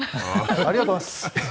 ありがとうございます。